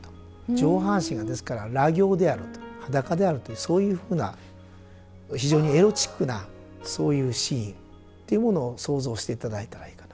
上半身がですから裸形であると裸であるというそういうふうな非常にエロチックなそういうシーンっていうものを想像していただいたらいいかなと。